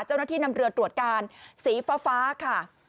เจ้าหน้าที่นำเรือตรวจการสีฟ้าค่ะ